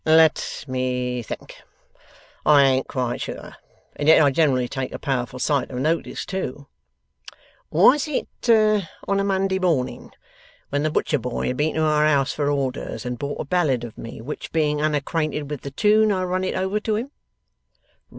'Let me think. I ain't quite sure, and yet I generally take a powerful sight of notice, too. Was it on a Monday morning, when the butcher boy had been to our house for orders, and bought a ballad of me, which, being unacquainted with the tune, I run it over to him?